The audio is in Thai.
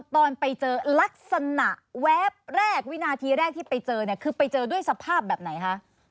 ตอนไปเจอลักษณะแวบแรกวินาทีแรกที่ไปเจอเนี่ยคือไปเจอด้วยสภาพแบบไหนคะ